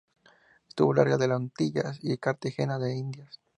Estuvo luego en las Antillas y Cartagena de Indias.